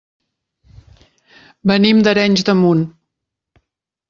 Venim d'Arenys de Munt.